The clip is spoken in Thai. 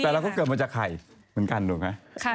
แต่เราก็เกิดมาจากไข่เหมือนกันถูกไหม